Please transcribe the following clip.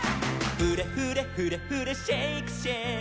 「フレフレフレフレシェイクシェイク」